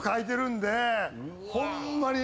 ホンマに。